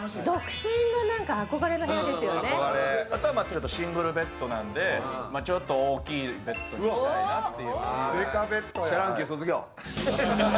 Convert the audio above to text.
あとはシングルベッドなんでちょっと大きいベッドにしたいなと。